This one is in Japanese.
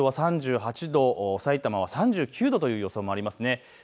東京は３８度、さいたまは３９度という予想もあります。